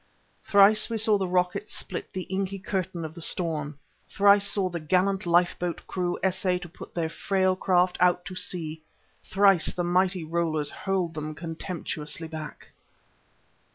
Thrice we saw the rockets split the inky curtain of the storm; thrice saw the gallant lifeboat crew essay to put their frail craft out to sea ... thrice the mighty rollers hurled them contemptuously back....